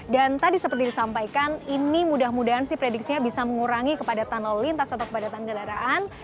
dan tadi seperti disampaikan ini mudah mudahan sih prediksinya bisa mengurangi kepadatan lalu lintas atau kepadatan kendaraan